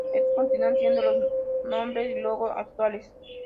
Estos continúan siendo los nombre y logo actuales.